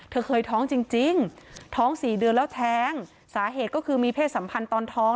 เธอเคยท้องจริงท้องสี่เดือนแล้วแท้งสาเหตุก็คือมีเพศสัมพันธ์ตอนท้อง